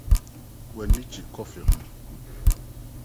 M'ani gye kɔfe ho.